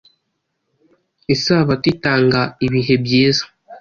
Isabato itanga ibihe byiza